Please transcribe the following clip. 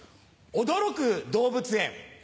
驚く動物園。